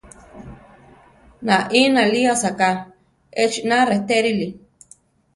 Naí náli asáka, echina retérili.